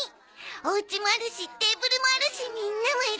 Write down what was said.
おうちもあるしテーブルもあるしみんなもいるし。